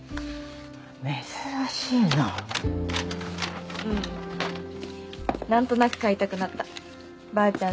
珍しいなうんなんとなく買いたくなったばあちゃん